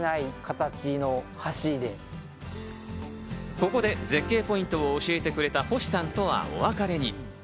ここで絶景ポイントを教えてくれた星さんとはお別れに。